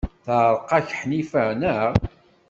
Teɛreq-ak Ḥnifa, naɣ?